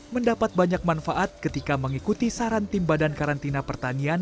mendapat banyak manfaat ketika mengikuti saran tim badan karantina pertanian